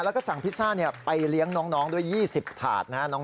แล้วก็สั่งพิซซ่าไปเลี้ยงน้องด้วย๒๐ถาดนะฮะ